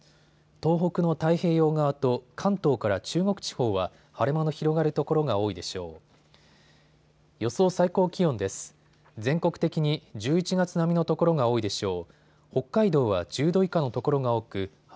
東北の太平洋側と関東から中国地方は晴れ間の広がる所が多いでしょう。